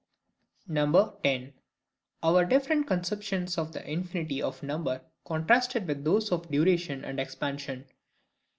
10. Our different Conceptions of the Infinity of Number contrasted with those of Duration and Expansion.